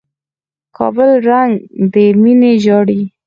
کابل ړنګ دى ميني ژاړي